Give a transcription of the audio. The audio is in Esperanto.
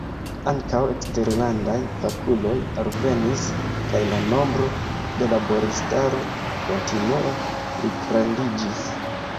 Ankaŭ eksterlandaj fakuloj alvenis, kaj la nombro de laboristaro kontinue pligrandiĝis.